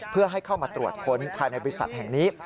เพื่อให้เข้ามาตรวจค้นภายในบริษัทแห่งนี้